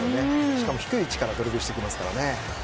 しかも低い位置からドリブルしてきますからね。